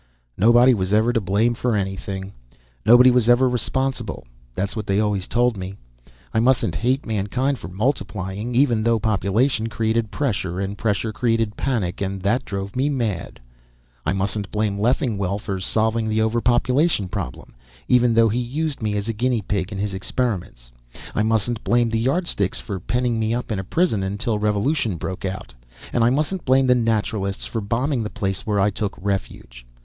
"Nobody was ever to blame for anything, nobody was ever responsible. That's what they always told me. I mustn't hate mankind for multiplying, even though population created pressure and pressure created panic that drove me mad. I mustn't blame Leffingwell for solving the overpopulation problem, even though he used me as a guinea pig in his experiments. I mustn't blame the Yardsticks for penning me up in prison until revolution broke out, and I mustn't blame the Naturalists for bombing the place where I took refuge.